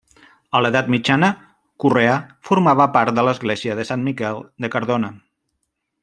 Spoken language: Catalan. A l'edat mitjana Correà formava part de l'església de Sant Miquel de Cardona.